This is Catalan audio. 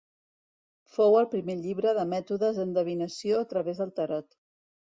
Fou el primer llibre de mètodes d'endevinació a través del Tarot.